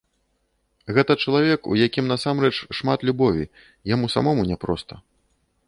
Гэта чалавек, у якім насамрэч шмат любові, яму самому няпроста.